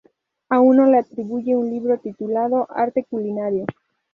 A uno le atribuye un libro titulado "Arte culinario".